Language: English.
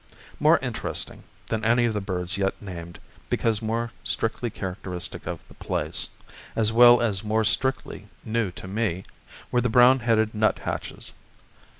More interesting than any of the birds yet named, because more strictly characteristic of the place, as well as more strictly new to me, were the brown headed nuthatches.